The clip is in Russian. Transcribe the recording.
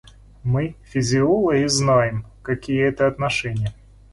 Мы, физиологи, знаем, какие это отношения.